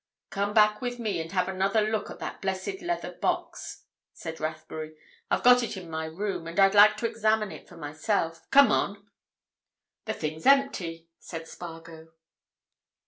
"Come back with me and have another look at that blessed leather box," said Rathbury. "I've got it in my room, and I'd like to examine it for myself. Come on!" "The thing's empty," said Spargo.